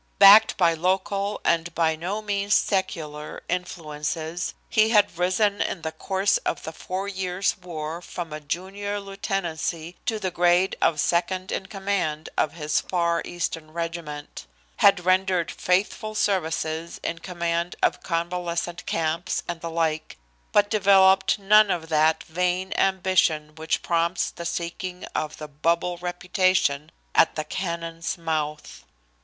Backed by local, and by no means secular, influences he had risen in the course of the four years' war from a junior lieutenancy to the grade of second in command of his far eastern regiment; had rendered faithful services in command of convalescent camps and the like, but developed none of that vain ambition which prompts the seeking of "the bubble reputation" at the cannon's mouth.